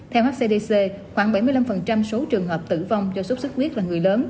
theo hcdc khoảng bảy mươi năm số trường hợp tử vong do sốt xuất huyết là người lớn